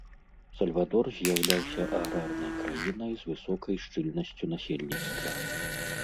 Сальвадор з'яўляўся аграрнай краінай з высокай шчыльнасцю насельніцтва.